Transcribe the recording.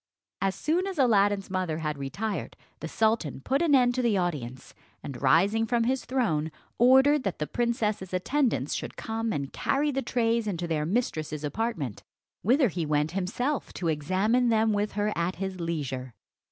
As soon as Aladdin's mother had retired, the sultan put an end to the audience; and rising from his throne ordered that the princess's attendants should come and carry the trays into their mistress's apartment, whither he went himself to examine them with her at his leisure.